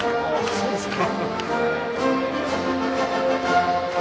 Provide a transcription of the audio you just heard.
そうですね